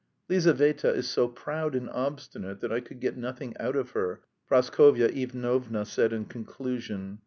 "Lizaveta is so proud and obstinate that I could get nothing out of her," Praskovya Ivanovna said in conclusion.